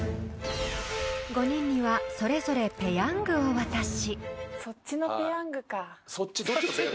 ［５人にはそれぞれペヤングを渡し］